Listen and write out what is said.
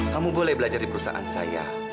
kamu boleh belajar di perusahaan saya